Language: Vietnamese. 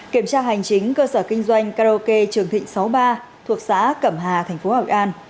kiểm tra hành chính cơ sở kinh doanh karaoke trường thịnh sáu mươi ba thuộc xã cẩm hà thành phố hội an